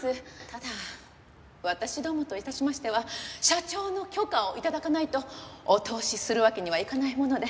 ただ私どもと致しましては社長の許可を頂かないとお通しするわけにはいかないもので。